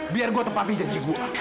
biar gua tepati janji gua